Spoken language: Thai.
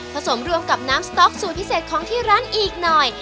สมรวมกับน้ำสต๊อกสูตรพิเศษของที่ร้านอีกหน่อย